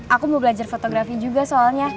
aku mau belajar fotografi juga soalnya